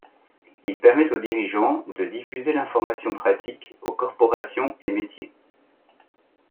Il permet aux dirigeants de diffuser l’information pratique aux corporations et métiers.